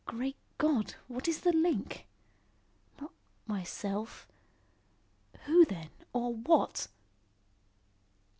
Great God! what is the link? Not myself? Who then or what?"